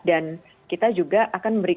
dan kita juga akan berbagi